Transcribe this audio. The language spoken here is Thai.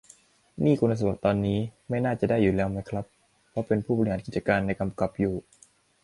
นี่คุณสมบัติตอนนี้ไม่น่าจะได้อยู่แล้วไหมครับ เพราะเป็นผู้บริหารกิจการในกำกับอยู่